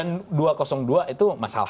dua ratus dua kan soal anggaran itu mas indra